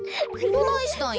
どないしたんや？